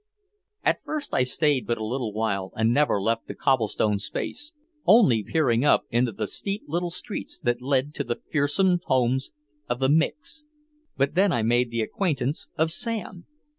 At first I stayed but a little while and never left the cobblestone space, only peering up into the steep little streets that led to the fearsome homes of the "Micks." But then I made the acquaintance of Sam.